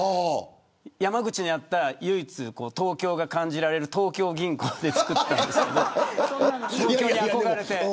山口にあった唯一東京が感じられる東京銀行で作ったんですけど東京に憧れて。